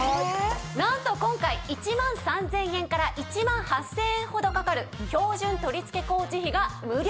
なんと今回１万３０００円から１万８０００円ほどかかる標準取り付け工事費が無料。